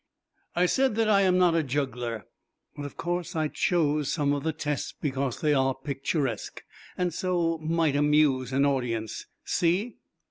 I said that I am not a juggler, but of course I chose some of the tests because they are picturesque, and so might amuse an audience. See."